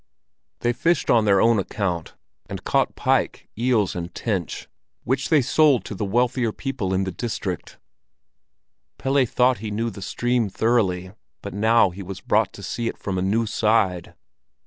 They fished on their own account and caught pike, eels, and tench, which they sold to the wealthier people in the district. Pelle thought he knew the stream thoroughly, but now he was brought to see it from a new side.